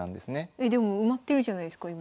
えでも埋まってるじゃないですか今。